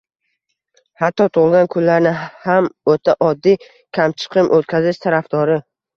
Hatto, tug`ilgan kunlarni ham o`ta oddiy, kamchiqim o`tkazish tarafdori